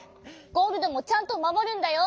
ゴールドもちゃんとまもるんだよ！